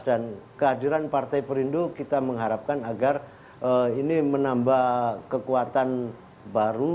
dan kehadiran partai perindo kita mengharapkan agar ini menambah kekuatan baru